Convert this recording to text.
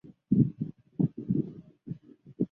这期间丘吉尔几乎每周都亲自到被炸现场视察。